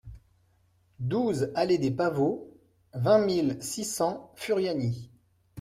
douze allée des Pavots, vingt mille six cents Furiani